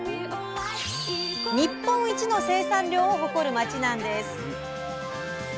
日本一の生産量を誇る町なんです。